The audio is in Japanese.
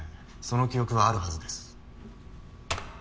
その記憶はあるはずです。